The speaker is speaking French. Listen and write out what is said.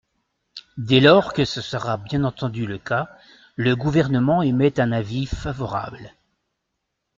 Dès lors que ce sera bien entendu le cas, le Gouvernement émet un avis favorable.